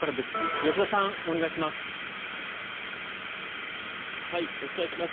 吉田さん、お願いします。